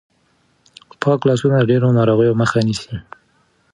پاک لاسونه د ډېرو ناروغیو مخه نیسي.